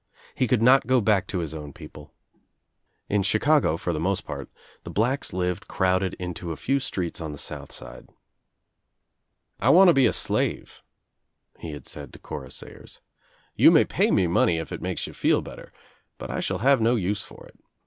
He could not go back to his own people. In Chicago, for the most part, the blacks lived crowded into a few streets on the South Side. "I want to be a slave," he had said to Cora Sayers. "You may pay me money if it makes you feel better but I shall have no use for it.